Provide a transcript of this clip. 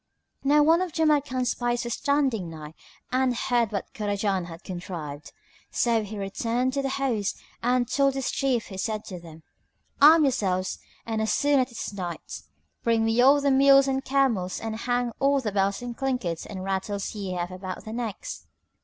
Now one of Jamrkan's spies was standing nigh and heard what Kurajan had contrived; so he returned to the host and told his chief who said to them, "Arm yourselves and as soon as it is Night, bring me all the mules and camels and hang all the bells and clinkets and rattles ye have about their necks."